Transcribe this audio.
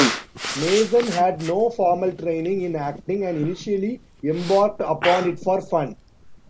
Mason had no formal training in acting and initially embarked upon it for fun.